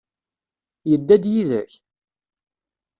Yedda-d yid-k?